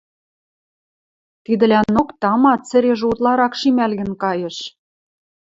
Тидӹлӓнок, тама, цӹрежӹ утларак шимӓлгӹн каеш.